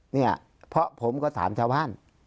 เนี่ยเพราะผมก็ถามชาวบ้าน